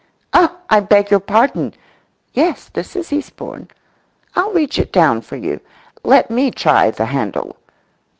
"Oh, I beg your pardon! Yes, this is Eastbourne. I'll reach it down for you. Let me try the handle."